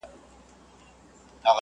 که ټولنیز علتونه درک کړو نو جرم کمیږي.